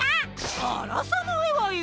あらさないわよ！